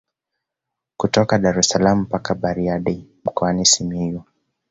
Kutoka Daressalaam mpaka Bariadi mkoani Simiyu